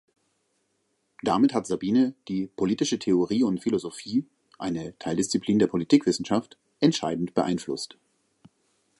Damit hat Sabine die Politische Theorie und Philosophie, eine Teildisziplin der Politikwissenschaft, entscheidend beeinflusst.